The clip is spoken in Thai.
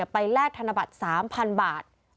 แลกธนบัตร๓๐๐๐บาท